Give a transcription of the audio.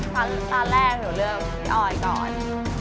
ตอนแรกหนูเลือกพี่ออยก่อน